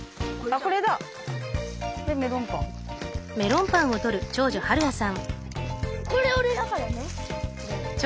これ俺だからね！